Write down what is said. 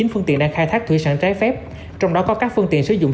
chín phương tiện đang khai thác thủy sản trái phép trong đó có các phương tiện sử dụng